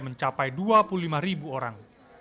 pemkot surabaya mencapai dua puluh lima ribu orang